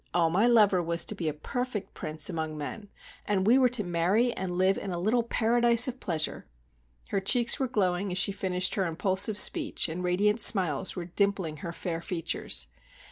Oh, my lover was to be a perfect prince among men, and we were to marry and live in a little paradise of pleasure!" Her cheeks were glowing as she finished her impulsive speech, and radiant smiles were dimpling her fair features.